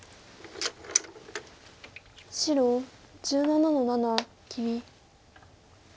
白１７の七切り。